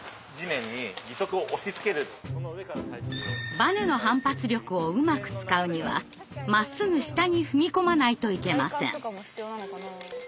バネの反発力をうまく使うにはまっすぐ下に踏み込まないといけません。